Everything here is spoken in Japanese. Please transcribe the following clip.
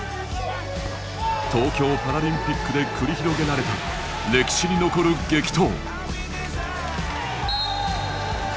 東京パラリンピックで繰り広げられた歴史に残る激闘。